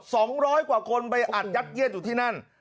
สองร้อยกว่าคนไปอัดยัดเยียดอยู่ที่นั่น